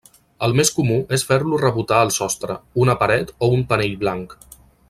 El més comú és fer-lo rebotar al sostre, una paret o un panell blanc.